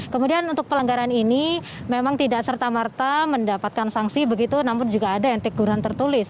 kemudian untuk pelanggaran ini memang tidak serta merta mendapatkan sanksi begitu namun juga ada yang teguran tertulis